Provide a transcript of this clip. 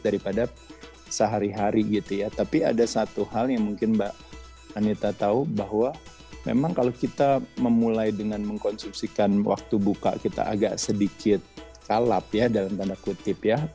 daripada sehari hari gitu ya tapi ada satu hal yang mungkin mbak anita tahu bahwa memang kalau kita memulai dengan mengkonsumsikan waktu buka kita agak sedikit kalap ya dalam tanda kutip ya